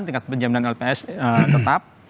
tingkat penjaminan lps tetap